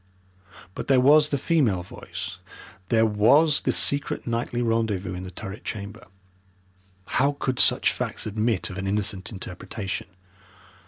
But there was the female voice, there was the secret nightly rendezvous in the turret chamber how could such facts admit of an innocent interpretation.